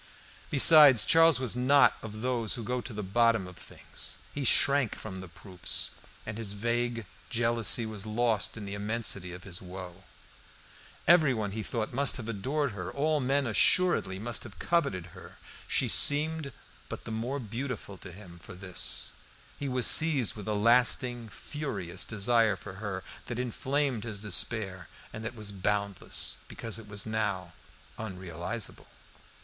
Besides, Charles was not of those who go to the bottom of things; he shrank from the proofs, and his vague jealousy was lost in the immensity of his woe. Everyone, he thought, must have adored her; all men assuredly must have coveted her. She seemed but the more beautiful to him for this; he was seized with a lasting, furious desire for her, that inflamed his despair, and that was boundless, because it was now unrealisable.